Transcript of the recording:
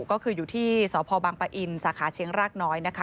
ก็คืออยู่ที่สพบังปะอินสาขาเชียงรากน้อยนะคะ